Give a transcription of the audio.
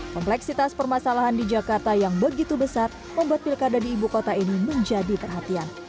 kompleksitas permasalahan di jakarta yang begitu besar membuat pilkada di ibu kota ini menjadi perhatian